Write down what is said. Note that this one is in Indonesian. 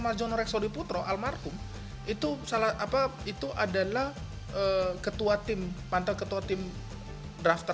marjono reksodi putro almarhum itu salah apa itu adalah ketua tim pantai ketua tim drafter